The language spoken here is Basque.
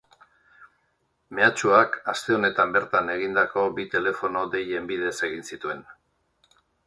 Mehatxuak aste honetan bertan egindako bi telefono deien bidez egin zituen.